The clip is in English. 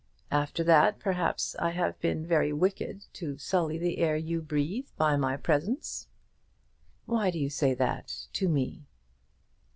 After that, perhaps, I have been very wicked to sully the air you breathe by my presence." "Why do you say that, to me?"